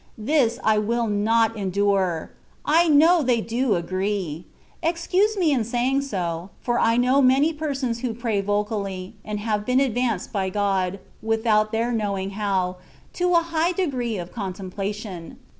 This I will not endure: I know they do agree; excuse me in saying so, for I know many persons who pray vocally, and have been advanced by God, without their knowing how, to a high degree of contemplation.